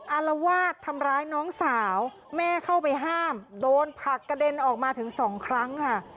อารวาสทำร้ายน้องสาวแม่เข้าไปห้ามโดนผักกระเด็นออกมาถึงสองครั้งค่ะ